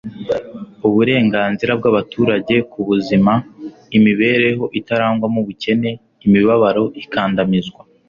uburenganzira bw'abaturage ku buzima/ imibereho itarangwamo ubukene, imibabaro, ikandamizwa